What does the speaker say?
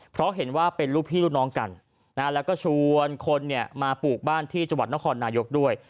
เพราะเห็นว่าเป็นลูกพี่ลูกน้องกันแล้วก็ชวนคนมาปลูกบ้านที่จังหวัดนครนายกด้วย